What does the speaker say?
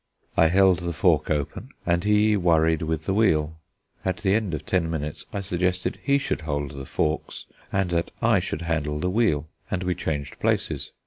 I held the fork open, and he worried with the wheel. At the end of ten minutes I suggested he should hold the forks, and that I should handle the wheel; and we changed places.